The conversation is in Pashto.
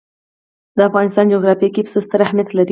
د افغانستان جغرافیه کې پسه ستر اهمیت لري.